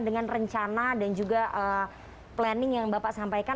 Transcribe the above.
dengan rencana dan juga planning yang bapak sampaikan